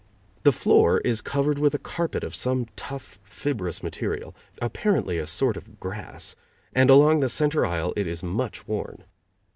The floor is covered with a carpet of some tough, fibrous material, apparently a sort of grass, and along the center aisle it is much worn.